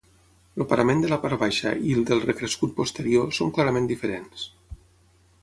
El parament de la part baixa i el del recrescut posterior són clarament diferents.